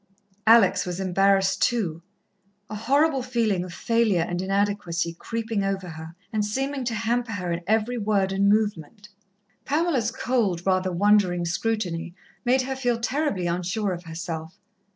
Alex was embarrassed too, a horrible feeling of failure and inadequacy creeping over her, and seeming to hamper her in every word and movement. Pamela's cold, rather wondering scrutiny made her feel terribly unsure of herself.